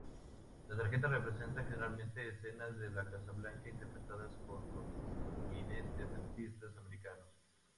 Las tarjetas representan generalmente escenas de la Casa Blanca interpretadas por prominentes artistas americanos.